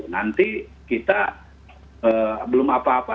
nanti kita belum apa apa